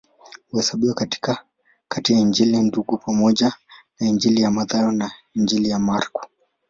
Huhesabiwa kati ya Injili Ndugu pamoja na Injili ya Mathayo na Injili ya Marko.